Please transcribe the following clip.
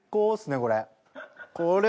これ。